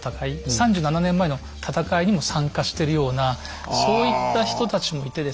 ３７年前の戦いにも参加してるようなそういった人たちもいてですね。